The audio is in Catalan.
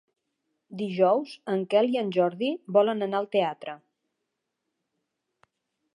Dijous en Quel i en Jordi volen anar al teatre.